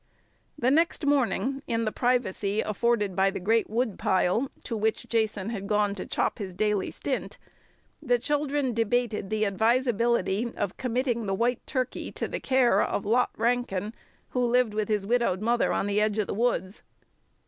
The next morning, in the privacy afforded by the great woodpile, to which Jason had gone to chop his daily stint, the children debated the advisability of committing the white turkey to the care of Lot Rankin, who lived with his widowed mother on the edge of the woods.